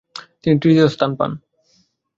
তিনি তৃতীয় স্থান পান।